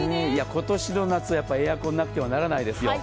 今年の夏はエアコンはなくてはならないですよ。